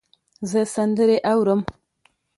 زه سندرې اورم.